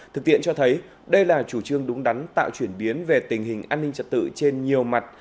thực tiện cho thấy đây là chủ trương đúng đắn tạo chuyển biến về tình hình an ninh trật tự trên nhiều mặt